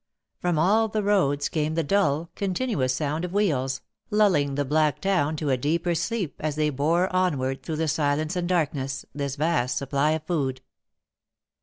From all the roads came the dull, continuous sound of wheels, lulling the black town to a deeper sleep as they bore onward through the silence and darkness, this vast supply of food.